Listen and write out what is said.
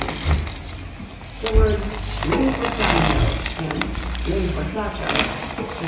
The words rinforzando and rinforzato (abb.